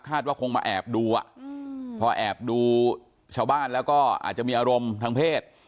ว่าคงมาแอบดูอ่ะพอแอบดูชาวบ้านแล้วก็อาจจะมีอารมณ์ทางเพศ